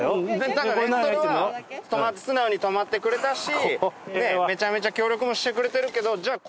だからね素直に止まってくれたしめちゃめちゃ協力もしてくれてるけど。